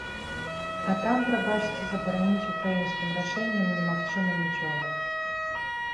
А там, прабачце, забараніць украінскім рашэннем немагчыма нічога.